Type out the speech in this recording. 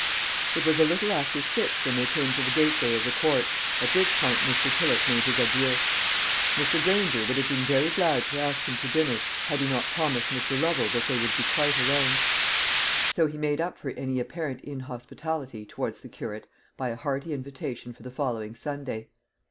It was a little after six when they came to the gateway of the Court, at which point Mr. Tillott made his adieux. Mr. Granger would have been very glad to ask him to dinner, had he not promised Mr. Lovel that they would be quite alone; so he made up for any apparent inhospitality towards the curate by a hearty invitation for the following Sunday.